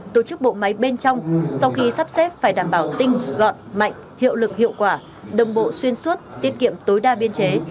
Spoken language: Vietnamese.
tổ chức bộ máy bên trong sau khi sắp xếp phải đảm bảo tinh gọn mạnh hiệu lực hiệu quả đồng bộ xuyên suốt tiết kiệm tối đa biên chế